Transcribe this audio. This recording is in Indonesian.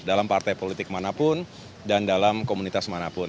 dalam partai politik manapun dan dalam komunitas manapun